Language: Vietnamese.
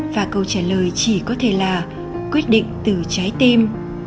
và câu trả lời chỉ có thể là quyết định từ trái tim